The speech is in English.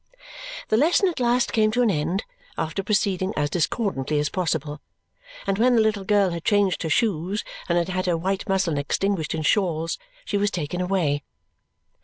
The lesson at last came to an end, after proceeding as discordantly as possible; and when the little girl had changed her shoes and had had her white muslin extinguished in shawls, she was taken away.